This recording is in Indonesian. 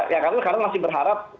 ya kami sekarang masih berharap